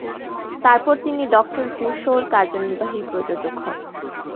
তারপর তিনি "Doctor Who" শো-র কার্যনির্বাহী প্রযোজক হন।